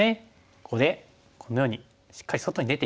ここでこのようにしっかり外に出ていく。